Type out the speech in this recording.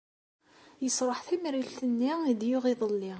Yesruḥ tamrilt-nni i d-yuɣ iḍelli.